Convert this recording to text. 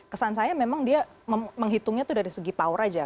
kesan saya memang dia menghitungnya tuh dari segi power aja